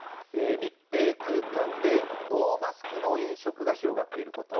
密閉空間でノーマスクの飲食が広がっていること。